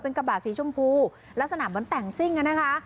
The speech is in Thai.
กระบะสีชมพูลักษณะเหมือนแต่งซิ่งอะนะคะ